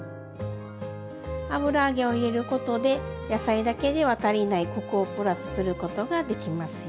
油揚げを入れることで野菜だけでは足りないコクをプラスすることができますよ。